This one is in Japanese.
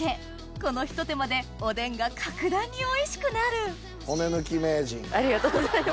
このひと手間でおでんが格段においしくなるありがとうございます。